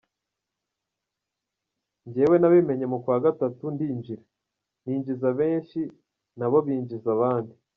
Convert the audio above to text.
Njyewe nabimenye mu kwa gatatu ndinjira, ninjiza benshi nabo binjiza abandi.